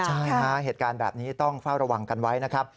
ใช่ฮะเหตุการณ์แบบนี้ต้องเฝ้าระวังกันไว้นะครับ